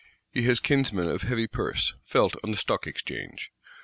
He has kinsmen of heavy purse, felt on the Stock Exchange.